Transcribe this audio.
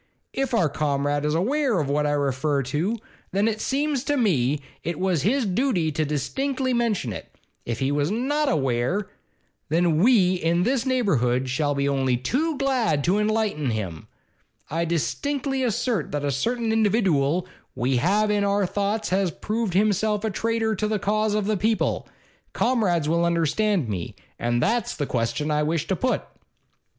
If our Comrade is aweer of what I refer to, then it seems to me it was his dooty to distinctly mention it. If he was not aweer, then we in this neighbourhood shall be only too glad to enlighten him. I distinctly assert that a certain individooal we all have in our thoughts has proved himself a traitor to the cause of the people. Comrades will understand me. And that's the question I wish to put.